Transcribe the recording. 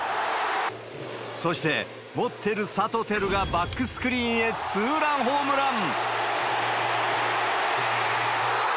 そして、持っテル、サトテルがバックスクリーンへツーランホームラン。